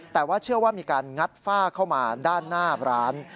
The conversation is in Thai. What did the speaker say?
แต่ว่าเชื่อว่ามีการงัดฝ้าเข้ามาด้านหน้าร้าน